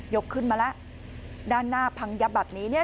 ขึ้นมาแล้วด้านหน้าพังยับแบบนี้เนี่ย